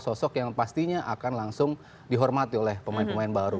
sosok yang pastinya akan langsung dihormati oleh pemain pemain baru